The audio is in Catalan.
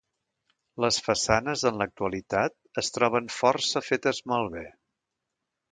Les façanes en l'actualitat es troben força fetes malbé.